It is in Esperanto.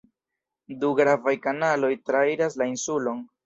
Du gravaj kanaloj trairas la insulon.